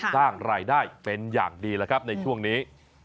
สร้างรายได้เป็นอย่างดีแล้วครับในช่วงนี้